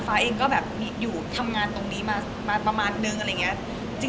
ฟ้าเองก็แบบอยู่ทำงานตรงนี้มาประมาณนึงอะไรอย่างนี้